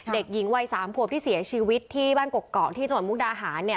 เด็กหญิงวัยสามขวบที่เสียชีวิตที่บ้านกกอกที่จังหวัดมุกดาหารเนี่ย